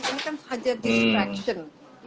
ini kan hanya distraction